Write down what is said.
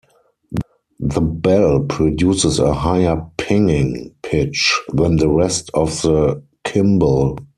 The bell produces a higher "pinging" pitch than the rest of the cymbal.